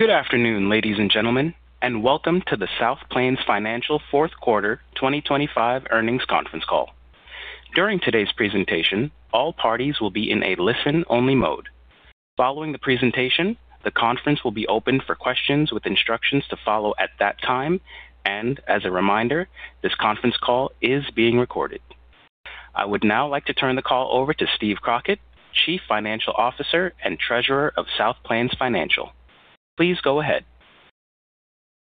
Good afternoon, ladies and gentlemen, and welcome to the South Plains Financial fourth quarter 2025 earnings conference call. During today's presentation, all parties will be in a listen-only mode. Following the presentation, the conference will be open for questions with instructions to follow at that time, and as a reminder, this conference call is being recorded. I would now like to turn the call over to Steve Crockett, Chief Financial Officer and Treasurer of South Plains Financial. Please go ahead.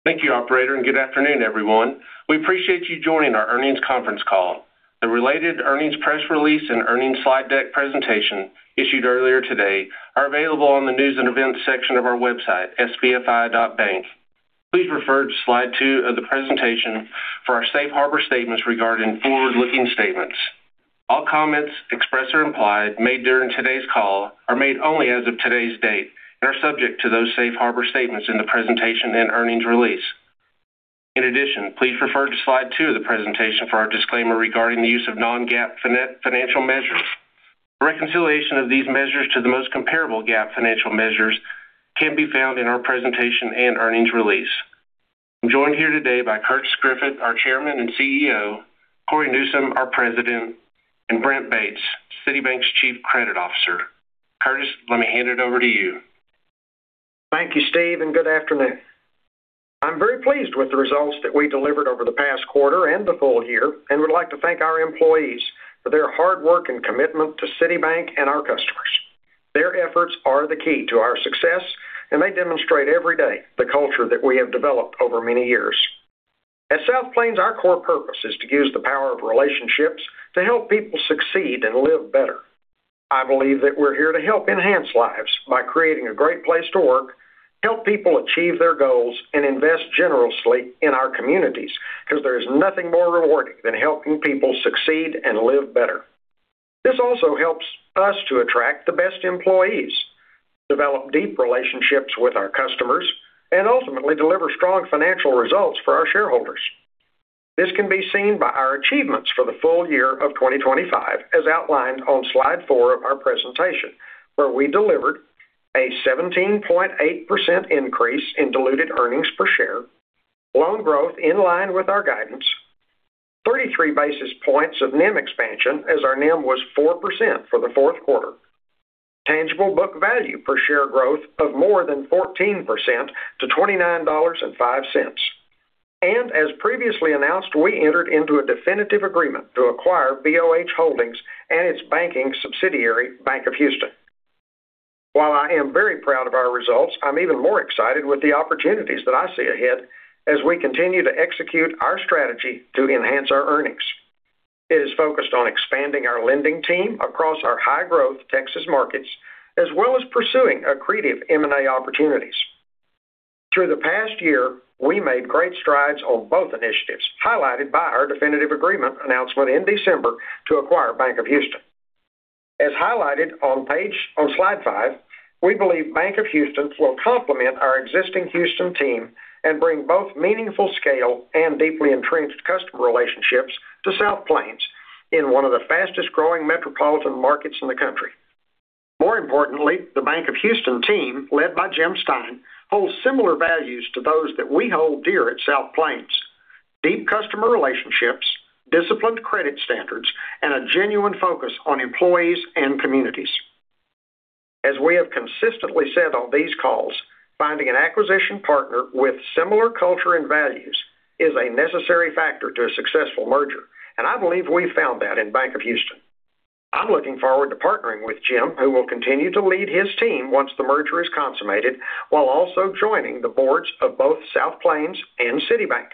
Thank you, Operator, and good afternoon, everyone. We appreciate you joining our earnings conference call. The related earnings press release and earnings slide deck presentation issued earlier today are available on the news and events section of our website, spfi.bank. Please refer to slide two of the presentation for our safe harbor statements regarding forward-looking statements. All comments, express or implied, made during today's call are made only as of today's date and are subject to those safe harbor statements in the presentation and earnings release. In addition, please refer to slide two of the presentation for our disclaimer regarding the use of non-GAAP financial measures. The reconciliation of these measures to the most comparable GAAP financial measures can be found in our presentation and earnings release. I'm joined here today by Curtis Griffith, our Chairman and CEO, Cory Newsom, our President, and Brent Bates, City Bank's Chief Credit Officer. Curtis, let me hand it over to you. Thank you, Steve, and good afternoon. I'm very pleased with the results that we delivered over the past quarter and the full-year, and would like to thank our employees for their hard work and commitment to City Bank and our customers. Their efforts are the key to our success, and they demonstrate every day the culture that we have developed over many years. At South Plains, our core purpose is to use the power of relationships to help people succeed and live better. I believe that we're here to help enhance lives by creating a great place to work, help people achieve their goals, and invest generously in our communities, because there is nothing more rewarding than helping people succeed and live better. This also helps us to attract the best employees, develop deep relationships with our customers, and ultimately deliver strong financial results for our shareholders. This can be seen by our achievements for the full-year of 2025, as outlined on slide four of our presentation, where we delivered a 17.8% increase in diluted earnings per share, loan growth in line with our guidance, 33 basis points of NIM expansion, as our NIM was 4% for the fourth quarter, tangible book value per share growth of more than 14% to $29.05. As previously announced, we entered into a definitive agreement to acquire BOH Holdings and its banking subsidiary, Bank of Houston. While I am very proud of our results, I'm even more excited with the opportunities that I see ahead as we continue to execute our strategy to enhance our earnings. It is focused on expanding our lending team across our high-growth Texas markets, as well as pursuing accretive M&A opportunities. Through the past year, we made great strides on both initiatives, highlighted by our definitive agreement announcement in December to acquire Bank of Houston. As highlighted on slide five, we believe Bank of Houston will complement our existing Houston team and bring both meaningful scale and deeply entrenched customer relationships to South Plains in one of the fastest-growing metropolitan markets in the country. More importantly, the Bank of Houston team, led by Jim Stein, holds similar values to those that we hold dear at South Plains: deep customer relationships, disciplined credit standards, and a genuine focus on employees and communities. As we have consistently said on these calls, finding an acquisition partner with similar culture and values is a necessary factor to a successful merger, and I believe we've found that in Bank of Houston. I'm looking forward to partnering with Jim, who will continue to lead his team once the merger is consummated, while also joining the boards of both South Plains and City Bank.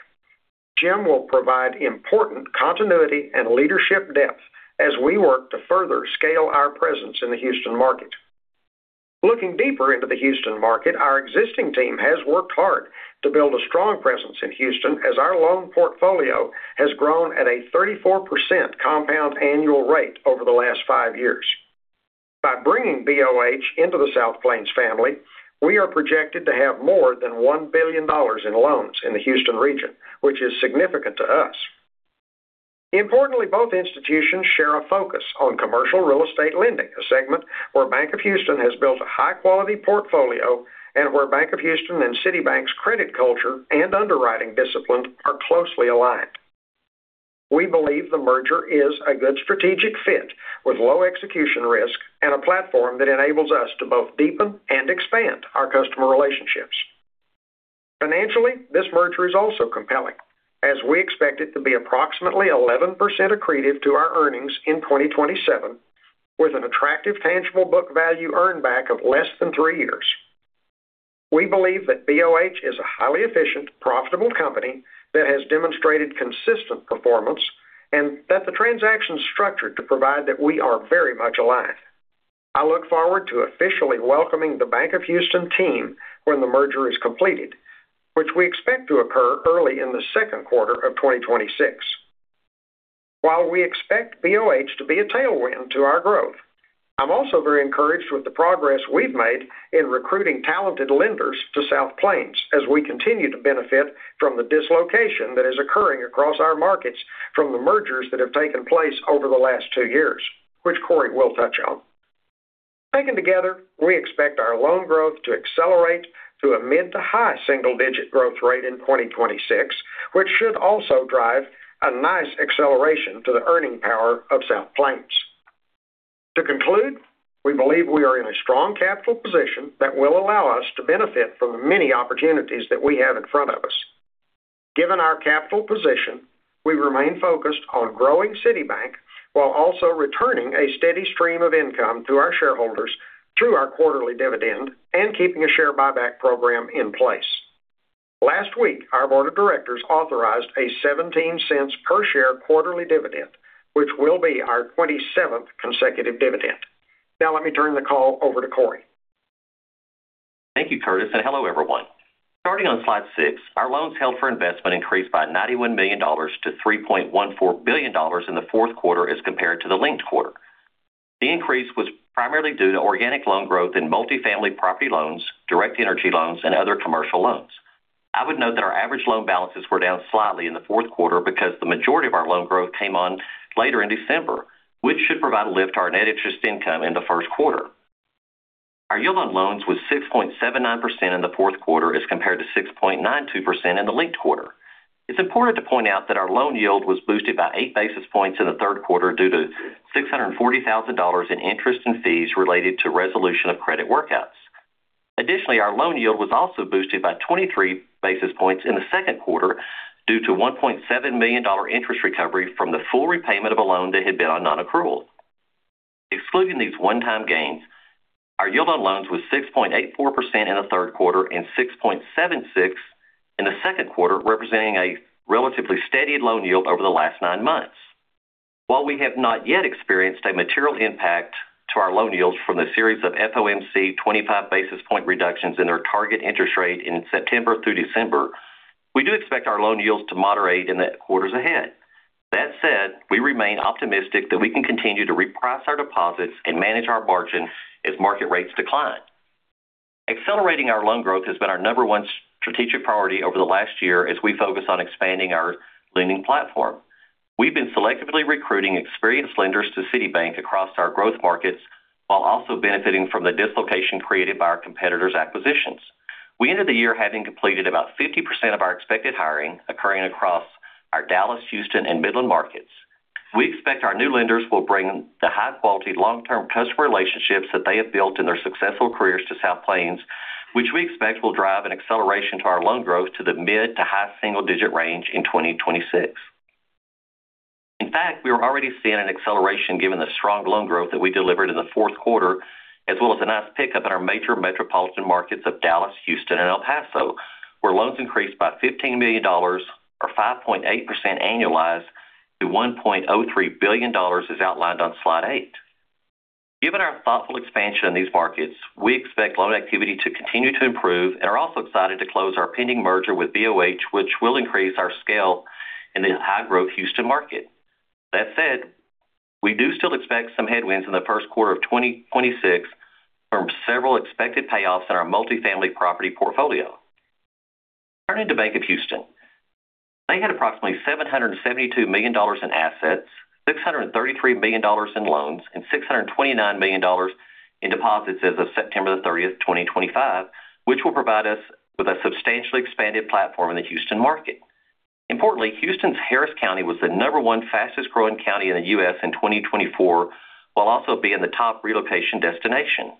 Jim will provide important continuity and leadership depth as we work to further scale our presence in the Houston market. Looking deeper into the Houston market, our existing team has worked hard to build a strong presence in Houston, as our loan portfolio has grown at a 34% compound annual rate over the last five years. By bringing BOH into the South Plains family, we are projected to have more than $1 billion in loans in the Houston region, which is significant to us. Importantly, both institutions share a focus on commercial real estate lending, a segment where Bank of Houston has built a high-quality portfolio and where Bank of Houston and City Bank's credit culture and underwriting discipline are closely aligned. We believe the merger is a good strategic fit, with low execution risk and a platform that enables us to both deepen and expand our customer relationships. Financially, this merger is also compelling, as we expect it to be approximately 11% accretive to our earnings in 2027, with an attractive tangible book value earnback of less than three years. We believe that BOH is a highly efficient, profitable company that has demonstrated consistent performance and that the transactions structured to provide that we are very much aligned. I look forward to officially welcoming the Bank of Houston team when the merger is completed, which we expect to occur early in the second quarter of 2026. While we expect BOH to be a tailwind to our growth, I'm also very encouraged with the progress we've made in recruiting talented lenders to South Plains as we continue to benefit from the dislocation that is occurring across our markets from the mergers that have taken place over the last two years, which Cory will touch on. Taken together, we expect our loan growth to accelerate to a mid to high single-digit growth rate in 2026, which should also drive a nice acceleration to the earning power of South Plains. To conclude, we believe we are in a strong capital position that will allow us to benefit from the many opportunities that we have in front of us. Given our capital position, we remain focused on growing City Bank while also returning a steady stream of income to our shareholders through our quarterly dividend and keeping a share buyback program in place. Last week, our board of directors authorized a $0.17 per share quarterly dividend, which will be our 27th consecutive dividend. Now, let me turn the call over to Cory. Thank you, Curtis, and hello, everyone. Starting on slide six, our loans held for investment increased by $91 million to $3.14 billion in the fourth quarter as compared to the linked quarter. The increase was primarily due to organic loan growth in multifamily property loans, direct energy loans, and other commercial loans. I would note that our average loan balances were down slightly in the fourth quarter because the majority of our loan growth came on later in December, which should provide a lift to our net interest income in the first quarter. Our yield on loans was 6.79% in the fourth quarter as compared to 6.92% in the linked quarter. It's important to point out that our loan yield was boosted by eight basis points in the third quarter due to $640,000 in interest and fees related to resolution of credit workouts. Additionally, our loan yield was also boosted by 23 basis points in the second quarter due to $1.7 million interest recovery from the full repayment of a loan that had been on non-accrual. Excluding these one-time gains, our yield on loans was 6.84% in the third quarter and 6.76% in the second quarter, representing a relatively steady loan yield over the last nine months. While we have not yet experienced a material impact to our loan yields from the series of FOMC 25 basis point reductions in their target interest rate in September through December, we do expect our loan yields to moderate in the quarters ahead. That said, we remain optimistic that we can continue to reprice our deposits and manage our margin as market rates decline. Accelerating our loan growth has been our number one strategic priority over the last year as we focus on expanding our lending platform. We've been selectively recruiting experienced lenders to City Bank across our growth markets while also benefiting from the dislocation created by our competitors' acquisitions. We ended the year having completed about 50% of our expected hiring, occurring across our Dallas, Houston, and Midland markets. We expect our new lenders will bring the high-quality, long-term customer relationships that they have built in their successful careers to South Plains, which we expect will drive an acceleration to our loan growth to the mid to high single-digit range in 2026. In fact, we are already seeing an acceleration given the strong loan growth that we delivered in the fourth quarter, as well as a nice pickup in our major metropolitan markets of Dallas, Houston, and El Paso, where loans increased by $15 million or 5.8% annualized to $1.03 billion, as outlined on slide eight. Given our thoughtful expansion in these markets, we expect loan activity to continue to improve and are also excited to close our pending merger with BOH, which will increase our scale in the high-growth Houston market. That said, we do still expect some headwinds in the first quarter of 2026 from several expected payoffs in our multifamily property portfolio. Turning to Bank of Houston, they had approximately $772 million in assets, $633 million in loans, and $629 million in deposits as of September 30, 2025, which will provide us with a substantially expanded platform in the Houston market. Importantly, Houston's Harris County was the number one fastest-growing county in the U.S. in 2024, while also being the top relocation destination.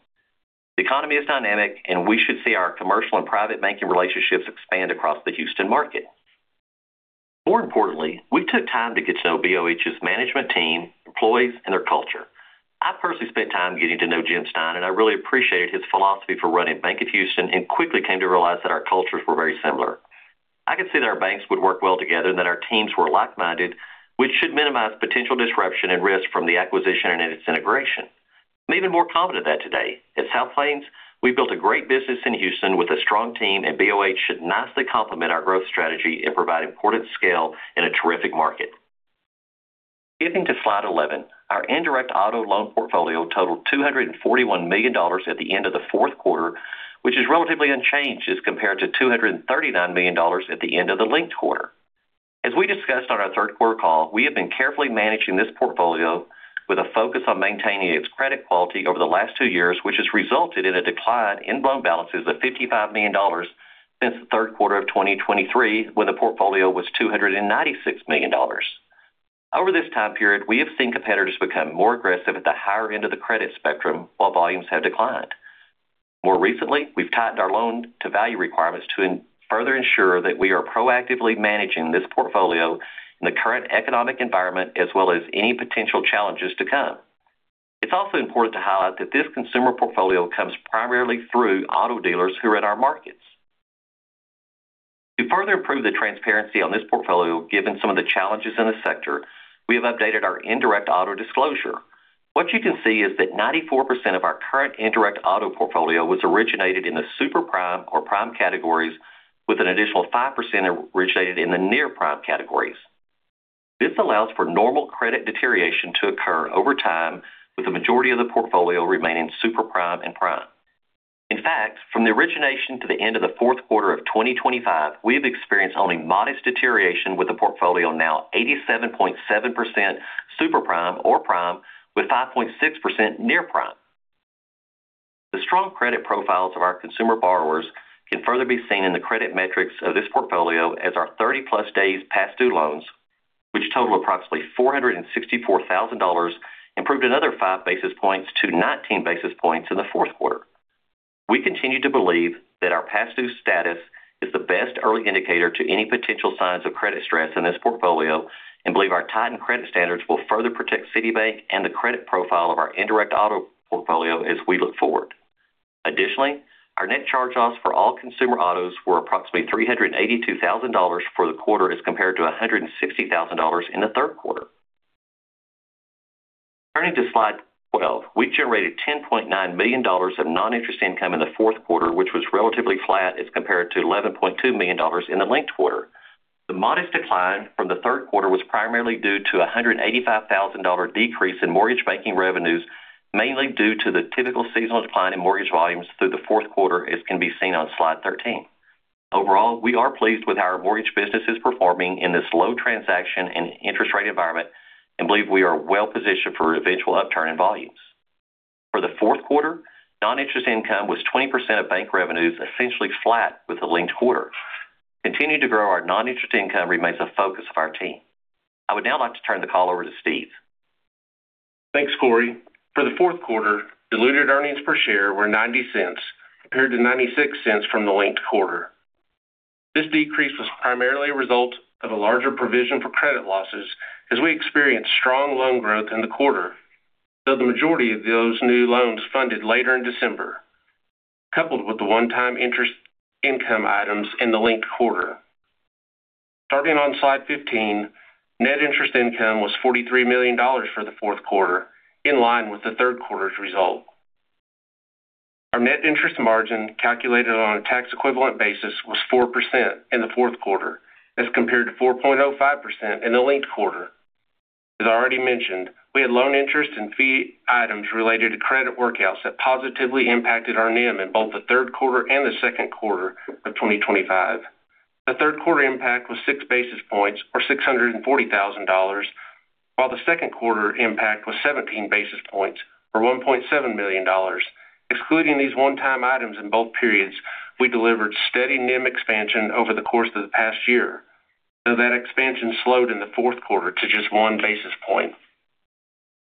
The economy is dynamic, and we should see our commercial and private banking relationships expand across the Houston market. More importantly, we took time to get to know BOH's management team, employees, and their culture. I personally spent time getting to know Jim Stein, and I really appreciated his philosophy for running Bank of Houston and quickly came to realize that our cultures were very similar. I could see that our banks would work well together and that our teams were like-minded, which should minimize potential disruption and risk from the acquisition and its integration. I'm even more confident of that today. At South Plains, we've built a great business in Houston with a strong team, and BOH should nicely complement our growth strategy and provide important scale in a terrific market. Skipping to slide 11, our indirect auto loan portfolio totaled $241 million at the end of the fourth quarter, which is relatively unchanged as compared to $239 million at the end of the linked quarter. As we discussed on our third quarter call, we have been carefully managing this portfolio with a focus on maintaining its credit quality over the last two years, which has resulted in a decline in loan balances of $55 million since the third quarter of 2023, when the portfolio was $296 million. Over this time period, we have seen competitors become more aggressive at the higher end of the credit spectrum while volumes have declined. More recently, we've tightened our loan-to-value requirements to further ensure that we are proactively managing this portfolio in the current economic environment as well as any potential challenges to come. It's also important to highlight that this consumer portfolio comes primarily through auto dealers who are in our markets. To further improve the transparency on this portfolio, given some of the challenges in the sector, we have updated our indirect auto disclosure. What you can see is that 94% of our current indirect auto portfolio was originated in the super prime or prime categories, with an additional 5% originated in the near prime categories. This allows for normal credit deterioration to occur over time, with the majority of the portfolio remaining super prime and prime. In fact, from the origination to the end of the fourth quarter of 2025, we have experienced only modest deterioration, with the portfolio now 87.7% super prime or prime, with 5.6% near prime. The strong credit profiles of our consumer borrowers can further be seen in the credit metrics of this portfolio as our 30+ days past due loans, which total approximately $464,000, improved another 5 basis points to 19 basis points in the fourth quarter. We continue to believe that our past due status is the best early indicator to any potential signs of credit stress in this portfolio and believe our tightened credit standards will further protect City Bank and the credit profile of our indirect auto portfolio as we look forward. Additionally, our net charge-offs for all consumer autos were approximately $382,000 for the quarter as compared to $160,000 in the third quarter. Turning to slide 12, we generated $10.9 million of non-interest income in the fourth quarter, which was relatively flat as compared to $11.2 million in the linked quarter. The modest decline from the third quarter was primarily due to a $185,000 decrease in mortgage banking revenues, mainly due to the typical seasonal decline in mortgage volumes through the fourth quarter, as can be seen on slide 13. Overall, we are pleased with how our mortgage business is performing in this low transaction and interest rate environment and believe we are well-positioned for eventual upturn in volumes. For the fourth quarter, non-interest income was 20% of bank revenues, essentially flat with the linked quarter. Continuing to grow, our non-interest income remains a focus of our team. I would now like to turn the call over to Steve. Thanks, Cory. For the fourth quarter, diluted earnings per share were $0.90 compared to $0.96 from the linked quarter. This decrease was primarily a result of a larger provision for credit losses as we experienced strong loan growth in the quarter, though the majority of those new loans funded later in December, coupled with the one-time interest income items in the linked quarter. Starting on slide 15, net interest income was $43 million for the fourth quarter, in line with the third quarter's result. Our net interest margin, calculated on a tax-equivalent basis, was 4% in the fourth quarter as compared to 4.05% in the linked quarter. As I already mentioned, we had loan interest and fee items related to credit workouts that positively impacted our NIM in both the third quarter and the second quarter of 2025. The third quarter impact was 6 basis points or $640,000, while the second quarter impact was 17 basis points or $1.7 million. Excluding these one-time items in both periods, we delivered steady NIM expansion over the course of the past year, though that expansion slowed in the fourth quarter to just 1 basis point.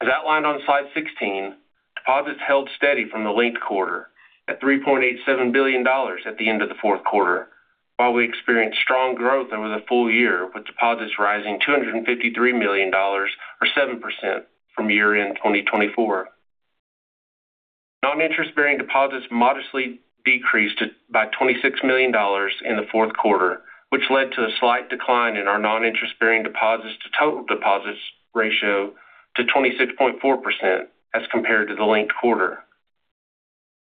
As outlined on slide 16, deposits held steady from the linked quarter at $3.87 billion at the end of the fourth quarter, while we experienced strong growth over the full-year, with deposits rising $253 million or 7% from year-end 2024. Non-interest-bearing deposits modestly decreased by $26 million in the fourth quarter, which led to a slight decline in our non-interest-bearing deposits to total deposits ratio to 26.4% as compared to the linked quarter.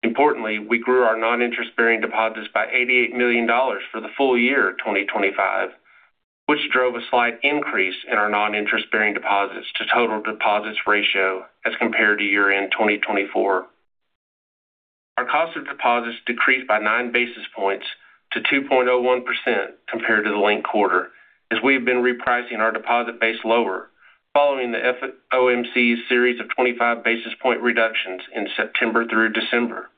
Importantly, we grew our non-interest-bearing deposits by $88 million for the full-year of 2025, which drove a slight increase in our non-interest-bearing deposits to total deposits ratio as compared to year-end 2024. Our cost of deposits decreased by 9 basis points to 2.01% compared to the linked quarter as we have been repricing our deposit base lower following the FOMC's series of 25 basis point reductions in September through December.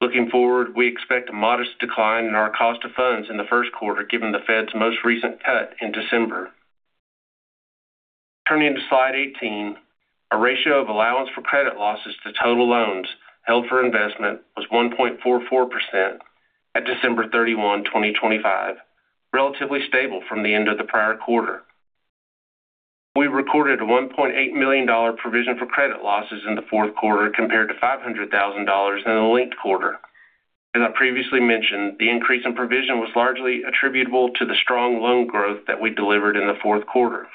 Looking forward, we expect a modest decline in our cost of funds in the first quarter given the Fed's most recent cut in December. Turning to slide 18, our ratio of allowance for credit losses to total loans held for investment was 1.44% at December 31, 2025, relatively stable from the end of the prior quarter. We recorded a $1.8 million provision for credit losses in the fourth quarter compared to $500,000 in the linked quarter. As I previously mentioned, the increase in provision was largely attributable to the strong loan growth that we delivered in the fourth quarter.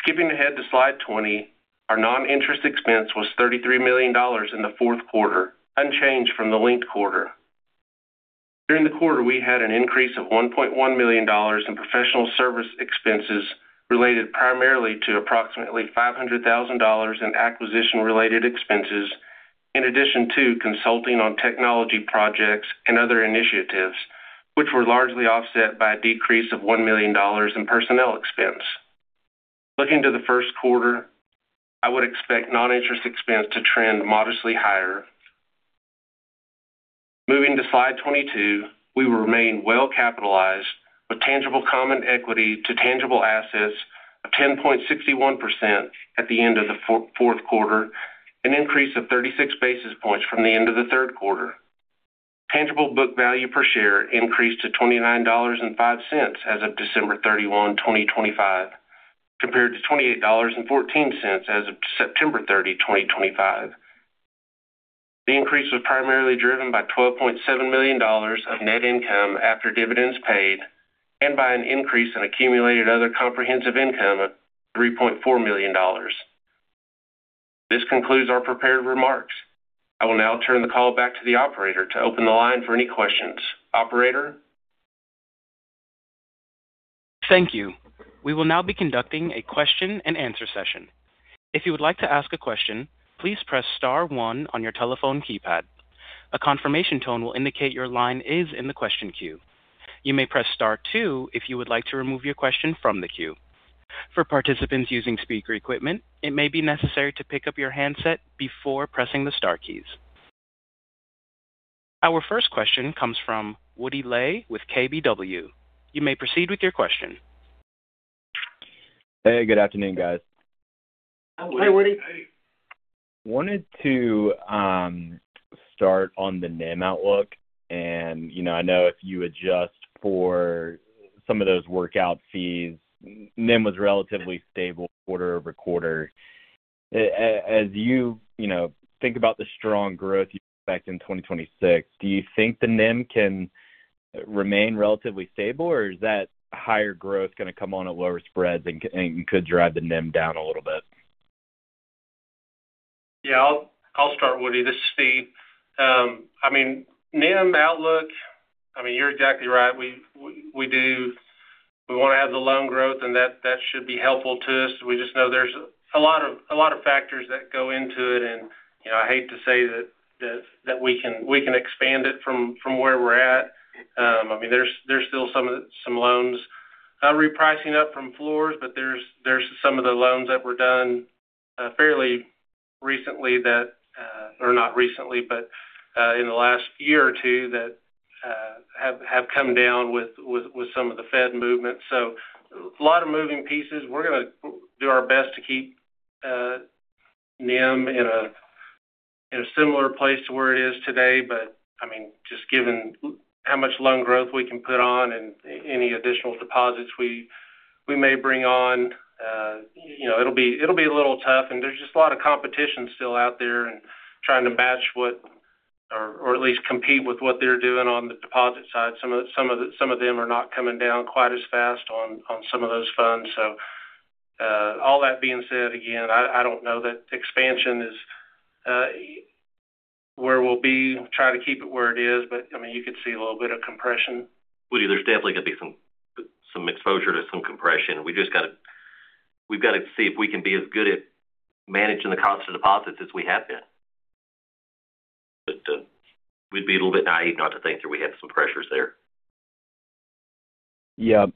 Skipping ahead to slide 20, our non-interest expense was $33 million in the fourth quarter, unchanged from the linked quarter. During the quarter, we had an increase of $1.1 million in professional service expenses related primarily to approximately $500,000 in acquisition-related expenses, in addition to consulting on technology projects and other initiatives, which were largely offset by a decrease of $1 million in personnel expense. Looking to the first quarter, I would expect non-interest expense to trend modestly higher. Moving to slide 22, we will remain well-capitalized with tangible common equity to tangible assets of 10.61% at the end of the fourth quarter, an increase of 36 basis points from the end of the third quarter. Tangible book value per share increased to $29.05 as of December 31, 2025, compared to $28.14 as of September 30, 2025. The increase was primarily driven by $12.7 million of net income after dividends paid and by an increase in accumulated other comprehensive income of $3.4 million. This concludes our prepared remarks. I will now turn the call back to the operator to open the line for any questions. Operator? Thank you. We will now be conducting a question-and-answer session. If you would like to ask a question, please press star one on your telephone keypad. A confirmation tone will indicate your line is in the question queue. You may press star two if you would like to remove your question from the queue. For participants using speaker equipment, it may be necessary to pick up your handset before pressing the star keys. Our first question comes from Woody Lay with KBW. You may proceed with your question. Hey, good afternoon, guys. Hey, Woody. Wanted to start on the NIM outlook. I know if you adjust for some of those workout fees, NIM was relatively stable quarter-over-quarter. As you think about the strong growth you expect in 2026, do you think the NIM can remain relatively stable, or is that higher growth going to come on at lower spreads and could drive the NIM down a little bit? Yeah, I'll start, Woody. This is Steve. I mean, NIM outlook, I mean, you're exactly right. We want to have the loan growth, and that should be helpful to us. We just know there's a lot of factors that go into it, and I hate to say that we can expand it from where we're at. I mean, there's still some loans repricing up from floors, but there's some of the loans that were done fairly recently that, or not recently, but in the last year or two that have come down with some of the Fed movement. So a lot of moving pieces. We're going to do our best to keep NIM in a similar place to where it is today, but I mean, just given how much loan growth we can put on and any additional deposits we may bring on, it'll be a little tough. There's just a lot of competition still out there and trying to match what, or at least compete with what they're doing on the deposit side. Some of them are not coming down quite as fast on some of those funds. So all that being said, again, I don't know that expansion is where we'll be. Try to keep it where it is, but I mean, you could see a little bit of compression. Woody, there's definitely going to be some exposure to some compression. We've got to see if we can be as good at managing the cost of deposits as we have been. But we'd be a little bit naive not to think that we have some pressures there. Yeah.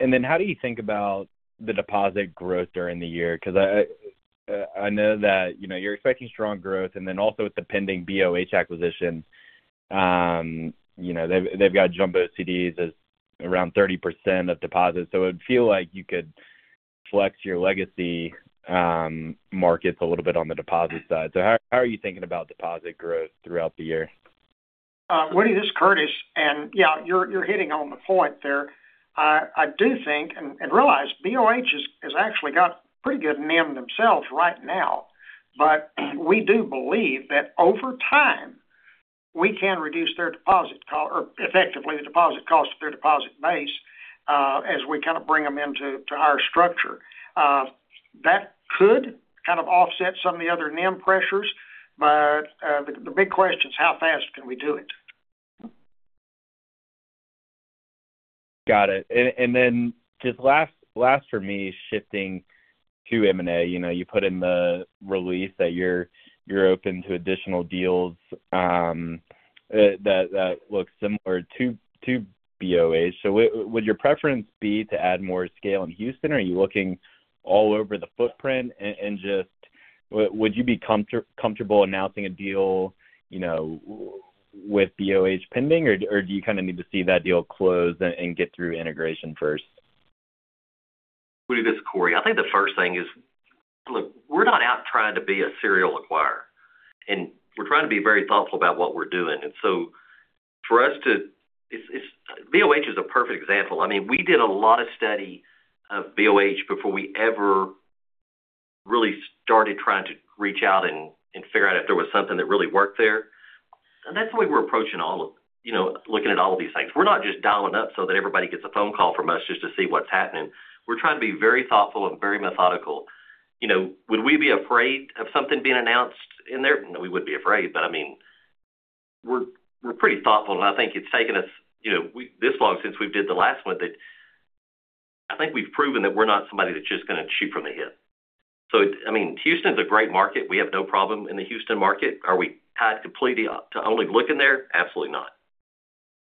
And then how do you think about the deposit growth during the year? Because I know that you're expecting strong growth, and then also with the pending BOH acquisitions, they've got jumbo CDs at around 30% of deposits. So it would feel like you could flex your legacy markets a little bit on the deposit side. So how are you thinking about deposit growth throughout the year? Woody, this is Curtis. Yeah, you're hitting on the point there. I do think and realize BOH has actually got pretty good NIM themselves right now, but we do believe that over time we can reduce their deposit cost, or effectively the deposit cost of their deposit base as we kind of bring them into our structure. That could kind of offset some of the other NIM pressures, but the big question is how fast can we do it? Got it. And then just last for me, shifting to M&A, you put in the release that you're open to additional deals that look similar to BOH. So would your preference be to add more scale in Houston? Are you looking all over the footprint? And just would you be comfortable announcing a deal with BOH pending, or do you kind of need to see that deal close and get through integration first? Woody, this is Cory. I think the first thing is, look, we're not out trying to be a serial acquirer, and we're trying to be very thoughtful about what we're doing. And so for us to BOH is a perfect example. I mean, we did a lot of study of BOH before we ever really started trying to reach out and figure out if there was something that really worked there. And that's the way we're approaching all of looking at all of these things. We're not just dialing up so that everybody gets a phone call from us just to see what's happening. We're trying to be very thoughtful and very methodical. Would we be afraid of something being announced in there? No, we wouldn't be afraid, but I mean, we're pretty thoughtful, and I think it's taken us this long since we've did the last one that I think we've proven that we're not somebody that's just going to shoot from the hip. So I mean, Houston's a great market. We have no problem in the Houston market. Are we tied completely to only looking there? Absolutely not.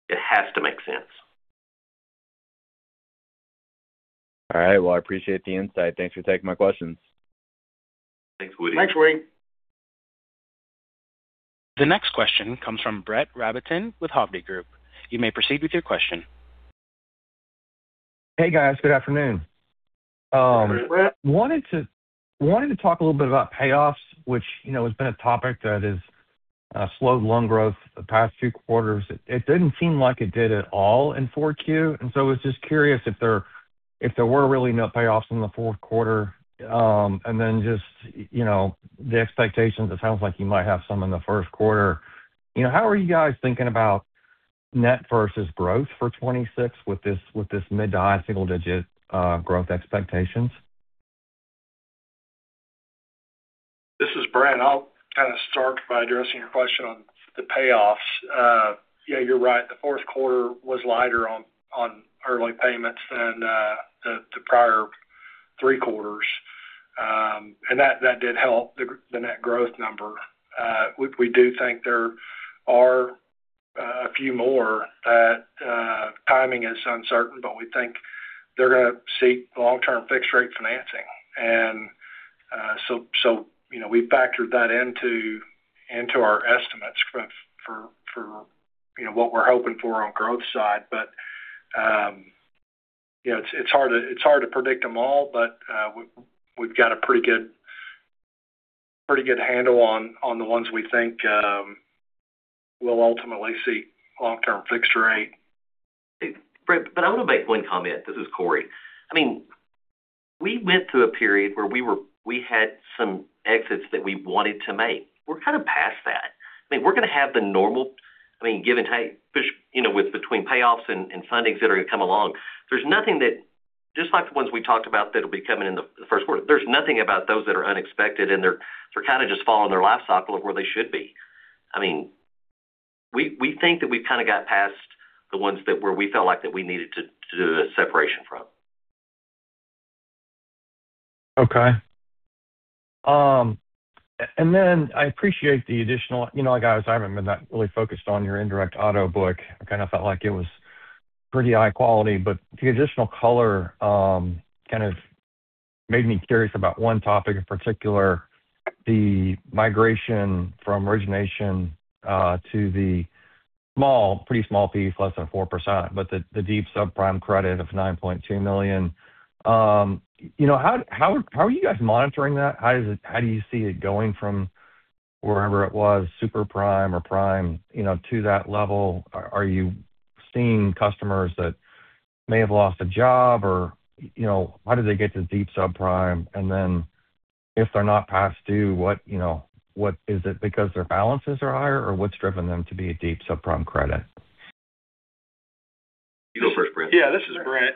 It has to make sense. All right. Well, I appreciate the insight. Thanks for taking my questions. Thanks, Woody. Thanks, Woody. The next question comes from Brett Rabatin with Hovde Group. You may proceed with your question. Hey, guys. Good afternoon. Hey, Brett. Wanted to talk a little bit about payoffs, which has been a topic that has slowed loan growth the past two quarters. It didn't seem like it did at all in the fourth quarter, and so I was just curious if there were really no payoffs in the fourth quarter. And then just the expectations, it sounds like you might have some in the first quarter. How are you guys thinking about net versus growth for 2026 with this mid-single-digit growth expectations? This is Brent. I'll kind of start by addressing your question on the payoffs. Yeah, you're right. The fourth quarter was lighter on early payments than the prior three quarters. And that did help the net growth number. We do think there are a few more that timing is uncertain, but we think they're going to seek long-term fixed-rate financing. And so we've factored that into our estimates for what we're hoping for on growth side. But it's hard to predict them all, but we've got a pretty good handle on the ones we think will ultimately seek long-term fixed-rate. Brett, but I want to make one comment. This is Cory. I mean, we went through a period where we had some exits that we wanted to make. We're kind of past that. I mean, we're going to have the normal. I mean, given with between payoffs and fundings that are going to come along, there's nothing that just like the ones we talked about that will be coming in the first quarter, there's nothing about those that are unexpected, and they're kind of just following their life cycle of where they should be. I mean, we think that we've kind of got past the ones where we felt like that we needed to do a separation from. Okay. And then I appreciate the additional like I was talking about, not really focused on your indirect auto book. I kind of felt like it was pretty high quality, but the additional color kind of made me curious about one topic in particular, the migration from origination to the small, pretty small piece, less than 4%, but the deep subprime credit of $9.2 million. How are you guys monitoring that? How do you see it going from wherever it was, super prime or prime, to that level? Are you seeing customers that may have lost a job, or how did they get to the deep subprime? And then if they're not past due, what is it? Because their balances are higher, or what's driven them to be a deep subprime credit? You go first, Brent. Yeah, this is Brent.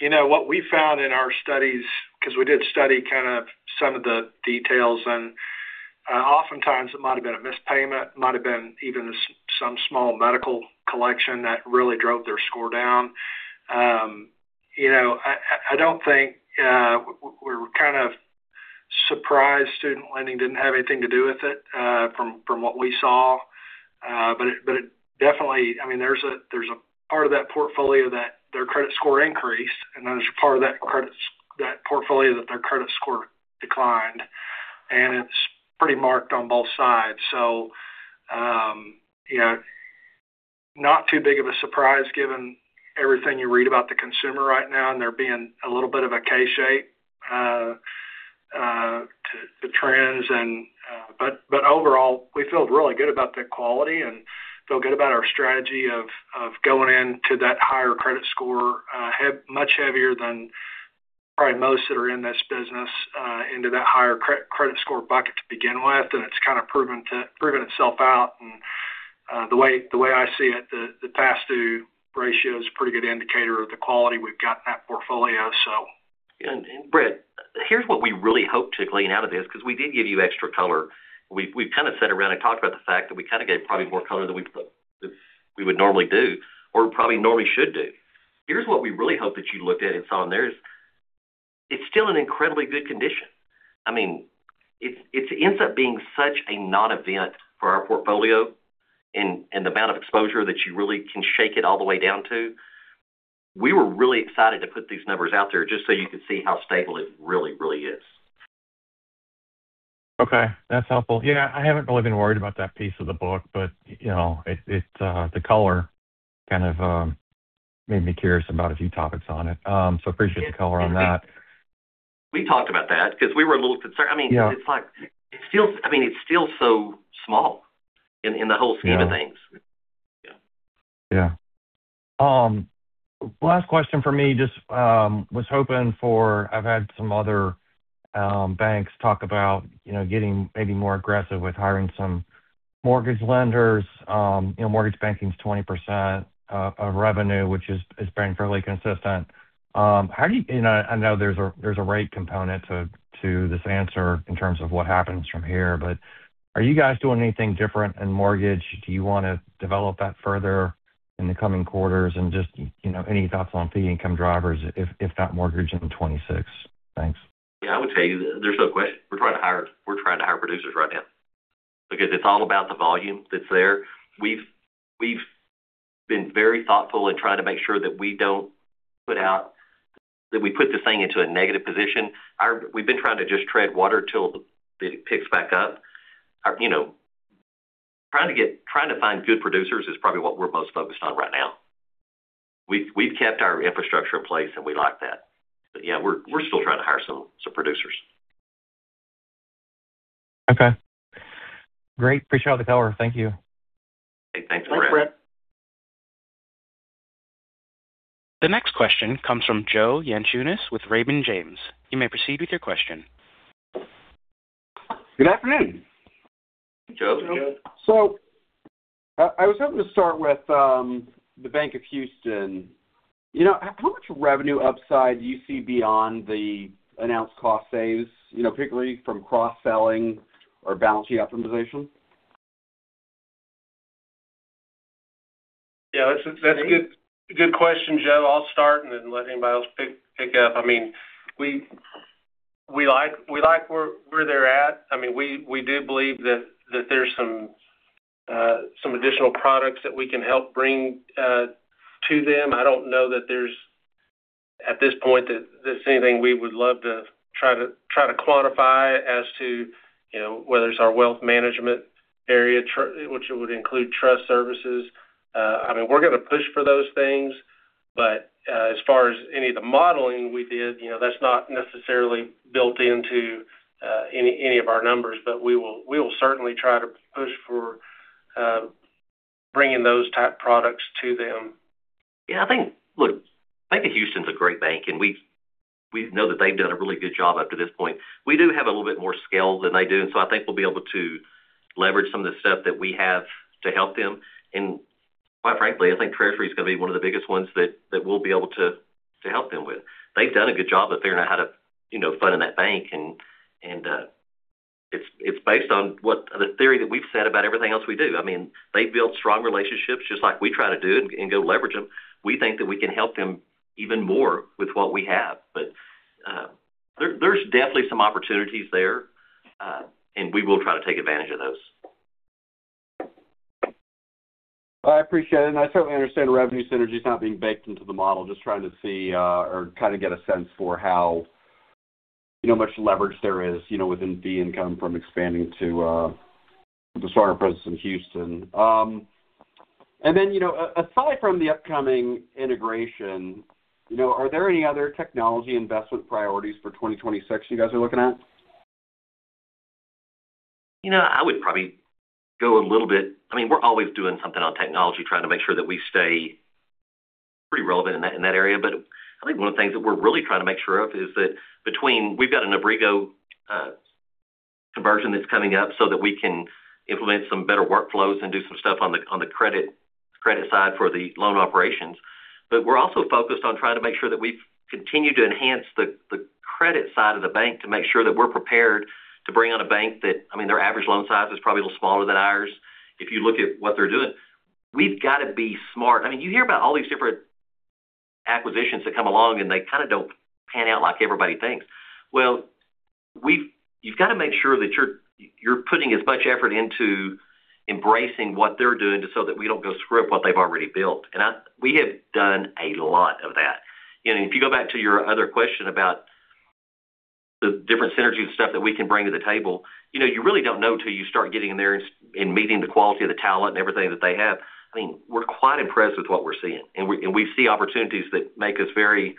What we found in our studies, because we did study kind of some of the details, and oftentimes it might have been a missed payment, might have been even some small medical collection that really drove their score down. I don't think we're kind of surprised student lending didn't have anything to do with it from what we saw. But definitely, I mean, there's a part of that portfolio that their credit score increased, and there's a part of that portfolio that their credit score declined. And it's pretty marked on both sides. So not too big of a surprise given everything you read about the consumer right now, and there being a little bit of a catch to trends. Overall, we feel really good about that quality and feel good about our strategy of going into that higher credit score much heavier than probably most that are in this business into that higher credit score bucket to begin with. It's kind of proven itself out. The way I see it, the past due ratio is a pretty good indicator of the quality we've got in that portfolio, so. Brett, here's what we really hope to glean out of this because we did give you extra color. We've kind of sat around and talked about the fact that we kind of gave probably more color than we would normally do or probably normally should do. Here's what we really hope that you looked at and saw in there is it's still in incredibly good condition. I mean, it ends up being such a non-event for our portfolio and the amount of exposure that you really can shake it all the way down to. We were really excited to put these numbers out there just so you could see how stable it really, really is. Okay. That's helpful. Yeah. I haven't really been worried about that piece of the book, but the color kind of made me curious about a few topics on it. So appreciate the color on that. We talked about that because we were a little concerned. I mean, it's like it feels I mean, it's still so small in the whole scheme of things. Yeah. Yeah. Last question for me. Just, I was hoping for. I've had some other banks talk about getting maybe more aggressive with hiring some mortgage lenders. Mortgage banking's 20% of revenue, which has been fairly consistent. How do you, and I know there's a rate component to this answer in terms of what happens from here, but are you guys doing anything different in mortgage? Do you want to develop that further in the coming quarters? And just any thoughts on fee income drivers, if not mortgage in 2026? Thanks. Yeah, I would tell you there's no question. We're trying to hire producers right now because it's all about the volume that's there. We've been very thoughtful in trying to make sure that we don't put out that we put this thing into a negative position. We've been trying to just tread water till it picks back up. Trying to find good producers is probably what we're most focused on right now. We've kept our infrastructure in place, and we like that. But yeah, we're still trying to hire some producers. Okay. Great. Appreciate all the color. Thank you. Okay. Thanks, Brett. Thanks, Brett. The next question comes from Joe Yanchunis with Raymond James. You may proceed with your question. Good afternoon. Hey, Joe. Joe. So I was hoping to start with the Bank of Houston. How much revenue upside do you see beyond the announced cost savings, particularly from cross-selling or balance sheet optimization? Yeah, that's a good question, Joe. I'll start and then let anybody else pick up. I mean, we like where they're at. I mean, we do believe that there's some additional products that we can help bring to them. I don't know that at this point there's anything we would love to try to quantify as to whether it's our wealth management area, which would include trust services. I mean, we're going to push for those things, but as far as any of the modeling we did, that's not necessarily built into any of our numbers, but we will certainly try to push for bringing those type products to them. Yeah. I think, look, Bank of Houston's a great bank, and we know that they've done a really good job up to this point. We do have a little bit more skill than they do, and so I think we'll be able to leverage some of the stuff that we have to help them. Quite frankly, I think Treasury is going to be one of the biggest ones that we'll be able to help them with. They've done a good job of figuring out how to fund in that bank, and it's based on the theory that we've said about everything else we do. I mean, they've built strong relationships just like we try to do and go leverage them. We think that we can help them even more with what we have. But there's definitely some opportunities there, and we will try to take advantage of those. I appreciate it. I certainly understand revenue synergy is not being baked into the model, just trying to see or kind of get a sense for how much leverage there is within fee income from expanding to the starter presence in Houston. Aside from the upcoming integration, are there any other technology investment priorities for 2026 you guys are looking at? I would probably go a little bit. I mean, we're always doing something on technology, trying to make sure that we stay pretty relevant in that area. But I think one of the things that we're really trying to make sure of is that we've got an Abrigo conversion that's coming up so that we can implement some better workflows and do some stuff on the credit side for the loan operations. But we're also focused on trying to make sure that we continue to enhance the credit side of the bank to make sure that we're prepared to bring on a bank that, I mean, their average loan size is probably a little smaller than ours. If you look at what they're doing, we've got to be smart. I mean, you hear about all these different acquisitions that come along, and they kind of don't pan out like everybody thinks. Well, you've got to make sure that you're putting as much effort into embracing what they're doing so that we don't go screw up what they've already built. And we have done a lot of that. And if you go back to your other question about the different synergies and stuff that we can bring to the table, you really don't know until you start getting in there and meeting the quality of the talent and everything that they have. I mean, we're quite impressed with what we're seeing. And we see opportunities that make us very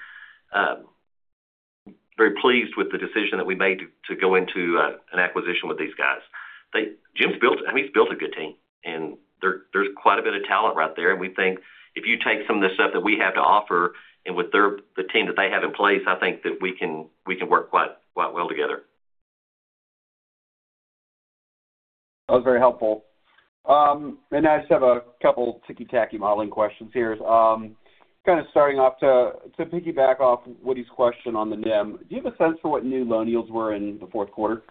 pleased with the decision that we made to go into an acquisition with these guys. I mean, he's built a good team, and there's quite a bit of talent right there. We think if you take some of the stuff that we have to offer and with the team that they have in place, I think that we can work quite well together. That was very helpful. I just have a couple of ticky-tacky modeling questions here. Kind of starting off to piggyback off Woody's question on the NIM, do you have a sense for what new loan yields were in the fourth quarter?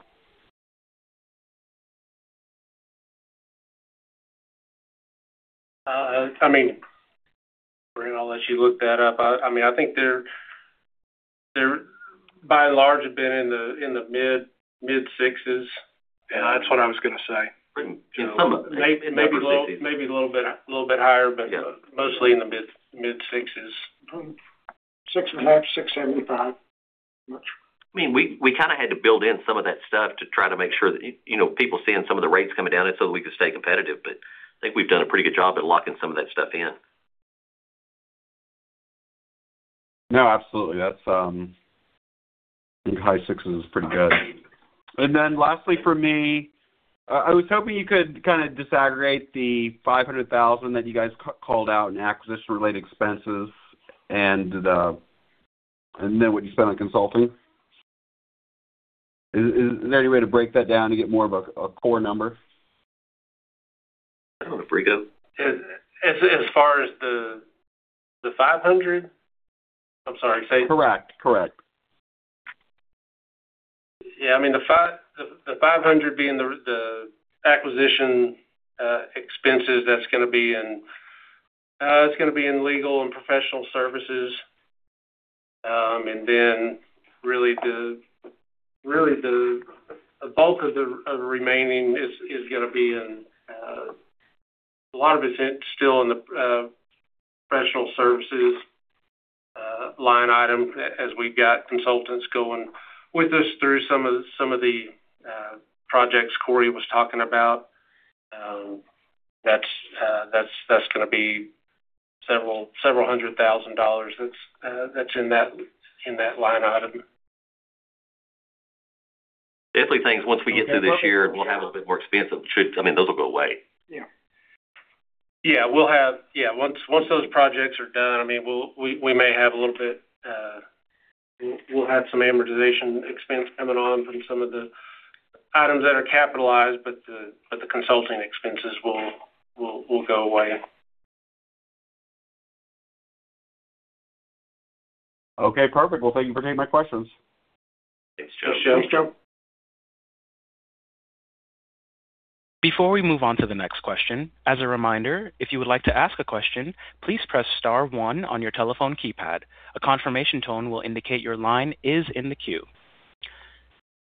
I mean, Brent, I'll let you look that up. I mean, I think they're by and large have been in the mid-sixes. That's what I was going to say. Maybe a little bit higher, but mostly in the mid-sixes. 6.5, 6.75. I mean, we kind of had to build in some of that stuff to try to make sure that people seeing some of the rates coming down so that we could stay competitive. But I think we've done a pretty good job at locking some of that stuff in. No, absolutely. High sixes is pretty good. And then lastly for me, I was hoping you could kind of disaggregate the $500,000 that you guys called out in acquisition-related expenses and then what you spent on consulting. Is there any way to break that down to get more of a core number? I don't know. As far as the $500,000? I'm sorry. Correct. Correct. Yeah. I mean, the $500,000 being the acquisition expenses, that's going to be in legal and professional services. And then really the bulk of the remaining is going to be in a lot of it's still in the professional services line item as we've got consultants going with us through some of the projects Cory was talking about. That's going to be several hundred thousand dollars that's in that line item. Definitely things once we get through this year, we'll have a bit more expense. I mean, those will go away. Yeah. Yeah. Yeah. Once those projects are done, I mean, we may have a little bit, we'll have some amortization expense coming on from some of the items that are capitalized, but the consulting expenses will go away. Okay. Perfect. Well, thank you for taking my questions. Thanks, Joe. Thanks, Joe. Before we move on to the next question, as a reminder, if you would like to ask a question, please press star one on your telephone keypad. A confirmation tone will indicate your line is in the queue.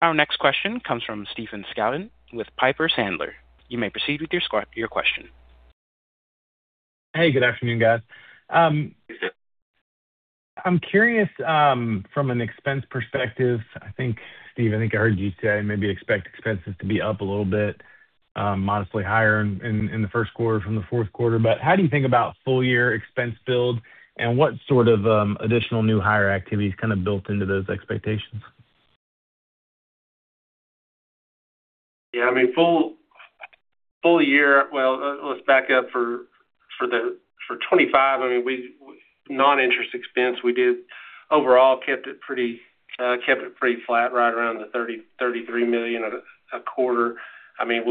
Our next question comes from Stephen Scouten with Piper Sandler. You may proceed with your question. Hey, good afternoon, guys. I'm curious from an expense perspective. I think, Steve, I think I heard you say maybe expect expenses to be up a little bit, modestly higher in the first quarter from the fourth quarter. But how do you think about full-year expense build and what sort of additional new hire activities kind of built into those expectations? Yeah. I mean, full-year, well, let's back up for 2025. I mean, non-interest expense, we did overall kept it pretty flat right around $33 million a quarter. I mean,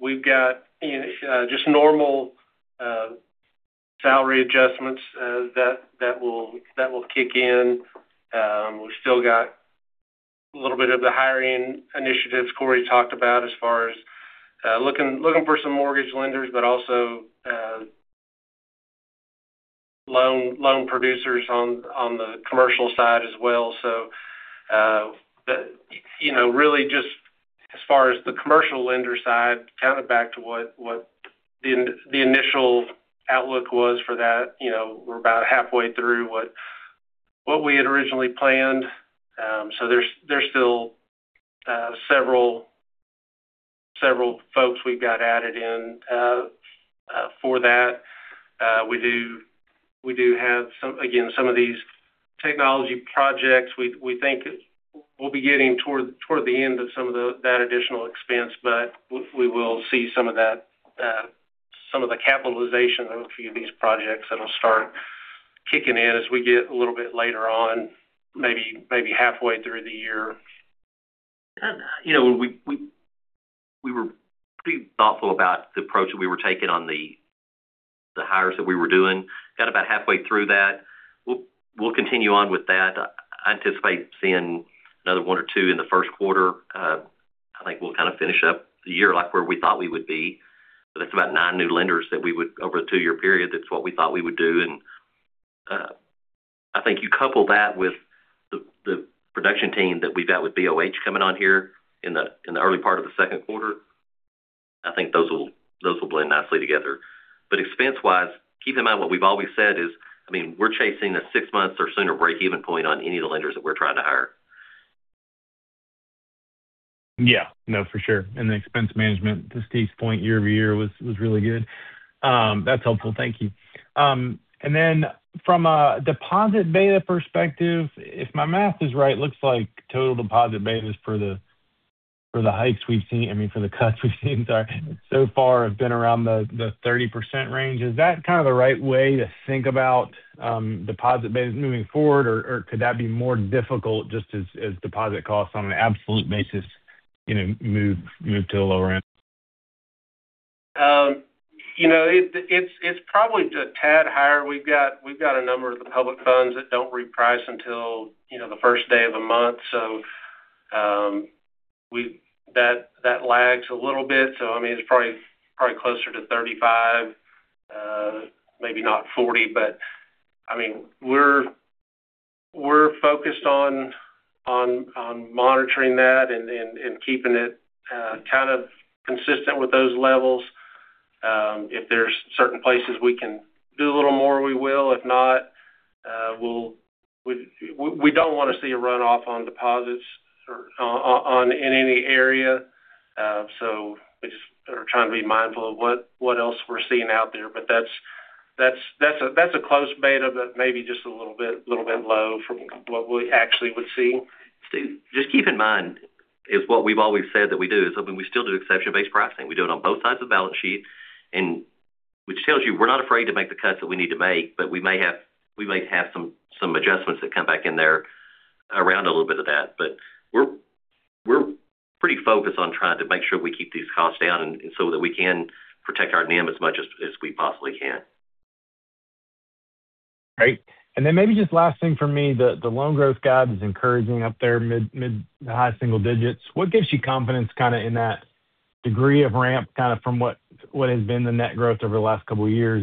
we've got just normal salary adjustments that will kick in. We've still got a little bit of the hiring initiatives Cory talked about as far as looking for some mortgage lenders, but also loan producers on the commercial side as well. So really just as far as the commercial lender side, kind of back to what the initial outlook was for that, we're about halfway through what we had originally planned. So there's still several folks we've got added in for that. We do have, again, some of these technology projects we think we'll be getting toward the end of some of that additional expense, but we will see some of the capitalization of a few of these projects that'll start kicking in as we get a little bit later on, maybe halfway through the year. We were pretty thoughtful about the approach that we were taking on the hires that we were doing. Got about halfway through that. We'll continue on with that. I anticipate seeing another one or two in the first quarter. I think we'll kind of finish up the year like where we thought we would be. So that's about nine new lenders that we would over the two-year period. That's what we thought we would do. And I think you couple that with the production team that we've got with BOH coming on here in the early part of the second quarter, I think those will blend nicely together. But expense-wise, keep in mind what we've always said is, I mean, we're chasing a six-month or sooner break-even point on any of the lenders that we're trying to hire. Yeah. No, for sure. And the expense management, to Steve's point, year-over-year was really good. That's helpful. Thank you. And then from a deposit beta perspective, if my math is right, it looks like total deposit betas for the hikes we've seen, I mean, for the cuts we've seen, sorry, so far have been around the 30% range. Is that kind of the right way to think about deposit betas moving forward, or could that be more difficult just as deposit costs on an absolute basis move to the lower end? It's probably a tad higher. We've got a number of the public funds that don't reprice until the first day of the month. So that lags a little bit. So I mean, it's probably closer to 35, maybe not 40. But I mean, we're focused on monitoring that and keeping it kind of consistent with those levels. If there's certain places we can do a little more, we will. If not, we don't want to see a runoff on deposits in any area. So we're just trying to be mindful of what else we're seeing out there. But that's a close beta, but maybe just a little bit low from what we actually would see. Steve, just keep in mind is what we've always said that we do is, I mean, we still do exception-based pricing. We do it on both sides of the balance sheet, which tells you we're not afraid to make the cuts that we need to make, but we may have some adjustments that come back in there around a little bit of that. But we're pretty focused on trying to make sure we keep these costs down so that we can protect our NIM as much as we possibly can. Great. And then maybe just last thing for me, the loan growth guide is encouraging up there, mid to high single digits. What gives you confidence kind of in that degree of ramp kind of from what has been the net growth over the last couple of years?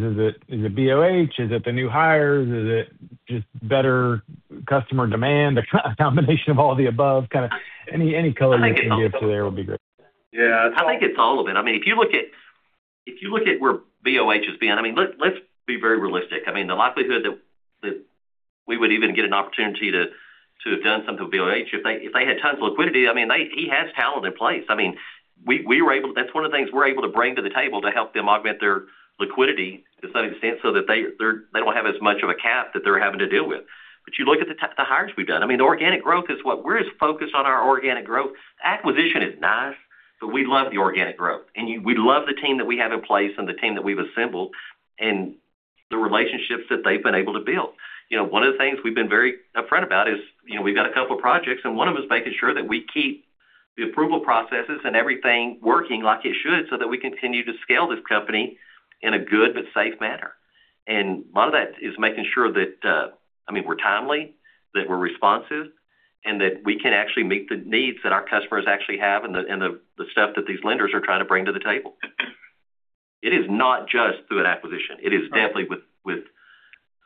Is it BOH? Is it the new hires? Is it just better customer demand, a combination of all the above? Kind of any color you can give to that would be great. Yeah. I think it's all of it. I mean, if you look at where BOH has been, I mean, let's be very realistic. I mean, the likelihood that we would even get an opportunity to have done something with BOH, if they had tons of liquidity, I mean, he has talent in place. I mean, we were able to—that's one of the things we're able to bring to the table to help them augment their liquidity to some extent so that they don't have as much of a cap that they're having to deal with. But you look at the hires we've done. I mean, the organic growth is what we're as focused on our organic growth. Acquisition is nice, but we love the organic growth. We love the team that we have in place and the team that we've assembled and the relationships that they've been able to build. One of the things we've been very upfront about is we've got a couple of projects, and one of them is making sure that we keep the approval processes and everything working like it should so that we continue to scale this company in a good but safe manner. And a lot of that is making sure that, I mean, we're timely, that we're responsive, and that we can actually meet the needs that our customers actually have and the stuff that these lenders are trying to bring to the table. It is not just through an acquisition. It is definitely with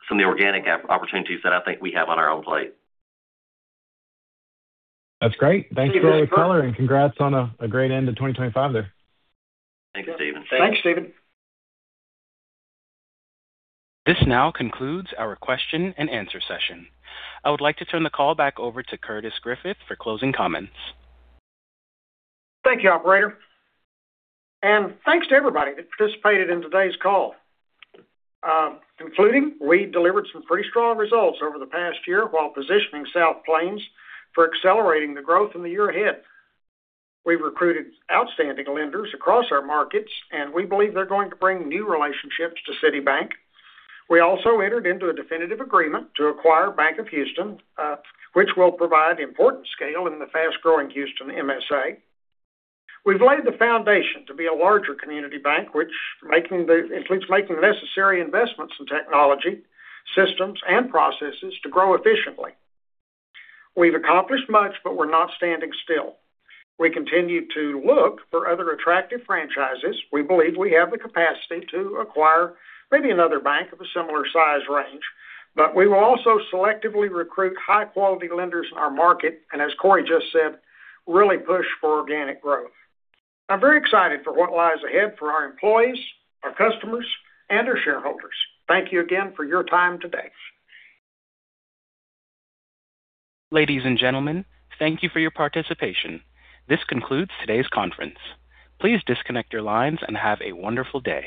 some of the organic opportunities that I think we have on our own plate. That's great. Thanks for all your color. Congrats on a great end to 2025 there. Thanks, Stephen. Thanks, Stephen. This now concludes our question and answer session. I would like to turn the call back over to Curtis Griffith for closing comments. Thank you, operator. Thanks to everybody that participated in today's call. Concluding, we delivered some pretty strong results over the past year while positioning South Plains for accelerating the growth in the year ahead. We've recruited outstanding lenders across our markets, and we believe they're going to bring new relationships to City Bank. We also entered into a definitive agreement to acquire Bank of Houston, which will provide important scale in the fast-growing Houston MSA. We've laid the foundation to be a larger community bank, which includes making necessary investments in technology, systems, and processes to grow efficiently. We've accomplished much, but we're not standing still. We continue to look for other attractive franchises. We believe we have the capacity to acquire maybe another bank of a similar size range, but we will also selectively recruit high-quality lenders in our market and, as Cory just said, really push for organic growth. I'm very excited for what lies ahead for our employees, our customers, and our shareholders. Thank you again for your time today. Ladies and gentlemen, thank you for your participation. This concludes today's conference. Please disconnect your lines and have a wonderful day.